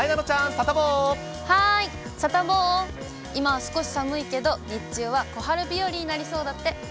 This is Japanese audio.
サタボー、今は少し寒いけど、日中は小春日和になりそうだって。